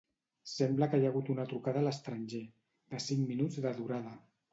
Sembla que hi ha hagut una trucada a l'estranger, de cinc minuts de durada.